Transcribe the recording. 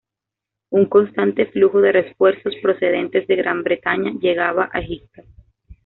Un constante flujo de refuerzos procedentes de Gran Bretaña llegaba a Egipto.